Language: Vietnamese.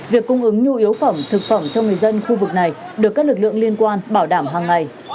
việc cung ứng nhu yếu phẩm thực phẩm cho người dân khu vực này được các lực lượng liên quan bảo đảm hàng ngày